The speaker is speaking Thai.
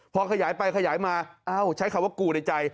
พอขยายไปขยายมาเอ้าใช้คำว่ากูในใจ